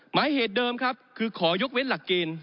หมายเหตุเดิมครับคือขอยกเว้นหลักเกณฑ์